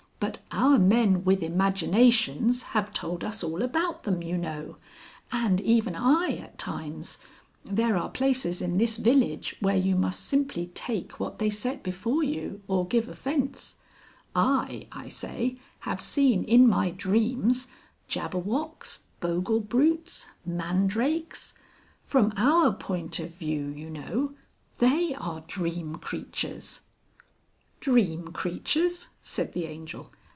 But our men with imaginations have told us all about them, you know. And even I at times ... there are places in this village where you must simply take what they set before you, or give offence I, I say, have seen in my dreams Jabberwocks, Bogle brutes, Mandrakes.... From our point of view, you know, they are Dream Creatures...." "Dream Creatures!" said the Angel.